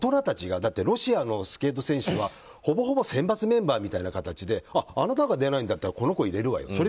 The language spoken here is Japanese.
だってロシアのスケート選手はほぼほぼ選抜メンバーみたいな感じであなたが出ないんだったらこの子入れるわよ。